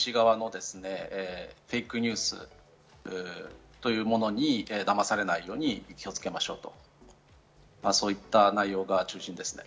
それから西側のフェイクニュースというものに騙されないように気をつけましょうと、そういった内容が中心です。